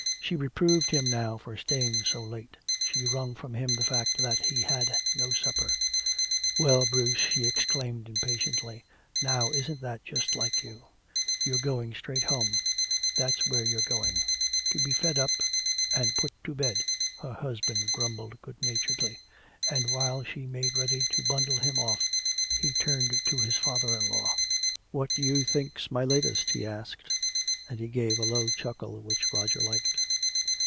She reproved him now for staying so late, she wrung from him the fact that he'd had no supper. "Well, Bruce," she exclaimed impatiently, "now isn't that just like you? You're going straight home that's where you're going " "To be fed up and put to bed," her husband grumbled good naturedly. And while she made ready to bundle him off he turned to his father in law. "What do you think's my latest?" he asked, and he gave a low chuckle which Roger liked.